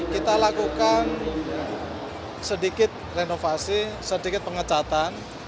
kita lakukan sedikit renovasi sedikit pengecatan